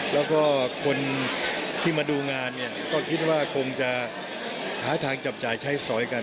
แล้วก็คนที่มาดูงานเนี่ยก็คิดว่าคงจะหาทางจับจ่ายใช้สอยกัน